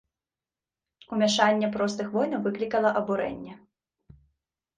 Умяшанне простых воінаў выклікала абурэнне.